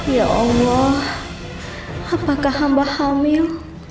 ya allah apakah hamba hamil